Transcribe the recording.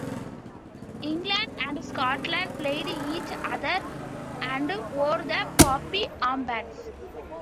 England and Scotland played each other and wore the poppy armbands.